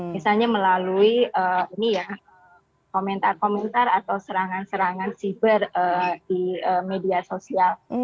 misalnya melalui komentar komentar atau serangan serangan siber di media sosial